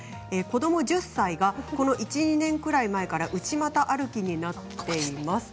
子ども１０歳がこの１、２年ぐらい前から内股歩きになっています。